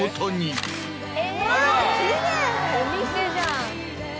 お店じゃん。